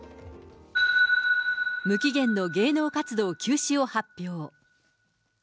無期限の芸能活動休止を発表。